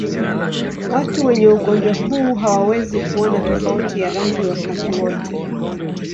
Watu wenye ugonjwa huu hawawezi kuona tofauti ya rangi wakati wote.